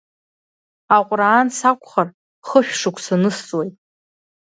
Аҟәраан сакәхар, хышәшықәса нысҵуеит.